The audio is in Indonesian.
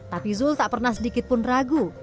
tapi zul tak pernah sedikit pun ragu